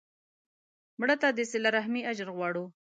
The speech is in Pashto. مړه ته د صله رحمي اجر غواړو